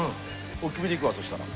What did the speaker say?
おっきめでいくわそしたら。